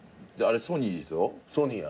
ソニーや。